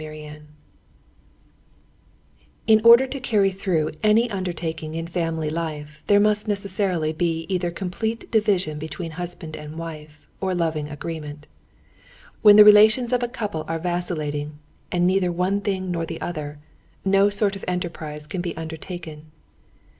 Chapter 23 In order to carry through any undertaking in family life, there must necessarily be either complete division between the husband and wife, or loving agreement. When the relations of a couple are vacillating and neither one thing nor the other, no sort of enterprise can be undertaken.